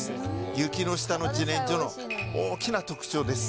雪の下のじねんじょの大きな特徴です。